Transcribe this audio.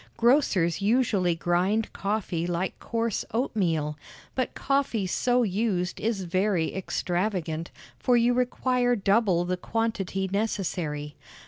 Grocers usually grind coffee like coarse oatmeal; but coffee so used is very extravagant, for you require double the quantity necessary.